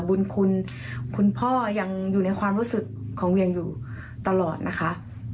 บุญคุณคุณพ่อยังอยู่ในความรู้สึกของเวียงอยู่ตลอดนะคะ